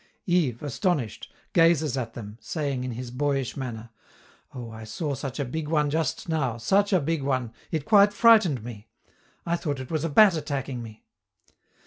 Yves, astonished, gazes at them, saying, in his boyish manner: "Oh, I saw such a big one just now, such a big one, it quite frightened me; I thought it was a bat attacking me."